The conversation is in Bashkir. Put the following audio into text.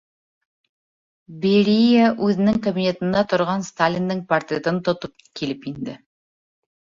Берия үҙенең кабинетында торған Сталиндың портретын тотоп килеп инде.